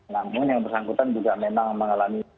namun yang bersangkutan juga memang mengalami